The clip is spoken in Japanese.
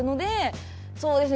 そうですね。